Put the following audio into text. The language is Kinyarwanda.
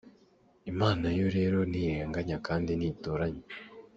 Imana yo rero ntirenganya kandi ntitoranya.